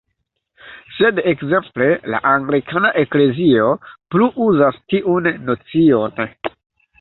Sed ekzemple la anglikana eklezio plu uzas tiun nocion.